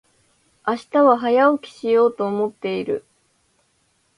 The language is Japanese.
明日は早起きしようと思っている。